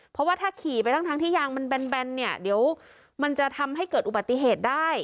เพราะว่าถ้าขี่ไปทั้งที่ยางมันแบนเนี่ยเดี๋ยวมันจะทำให้เกิดอุบัติเหตุได้